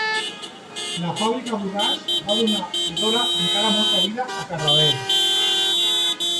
La fàbrica Borràs va donar i dóna encara molta vida a Cardedeu.